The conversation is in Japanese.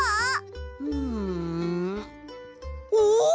うんおおっ！